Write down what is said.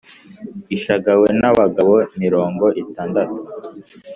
ishagawe n’abagabo mirongo itandatu